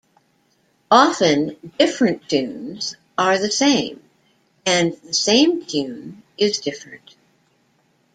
Often, "different tunes are the same," and, "the same tune is different.